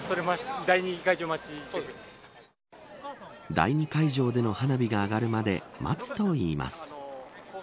第２会場での花火が上がるまで待つといいます。